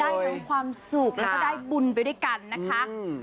ได้ทั้งความสุขแล้วก็ได้บุญไปด้วยกันนะคะ